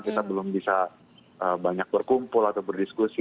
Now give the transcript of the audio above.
kita belum bisa banyak berkumpul atau berdiskusi